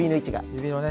指のね